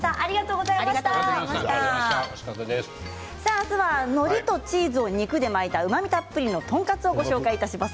明日はのりとチーズを肉で巻いたうまみたっぷりのトンカツをご紹介いたします。